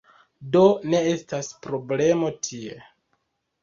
Do, ne estas problemo tie